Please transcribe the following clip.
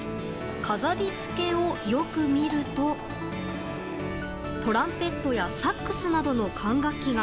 飾りつけをよく見るとトランペットやサックスなどの管楽器が。